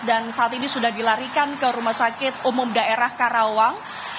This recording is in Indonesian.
dan saat ini sudah dilarikan ke rumah sakit umum daerah karawang